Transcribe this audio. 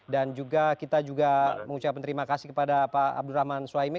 dan juga kita mengucapkan terima kasih kepada pak abdul rahman soeimi